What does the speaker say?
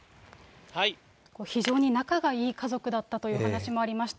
非常に仲がいい家族だったという話もありました。